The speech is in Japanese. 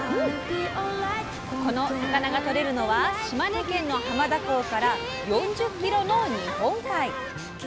この魚がとれるのは島根県の浜田港から４０キロの日本海。